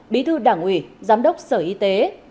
bí tư đảng ủy giám đốc sở y tế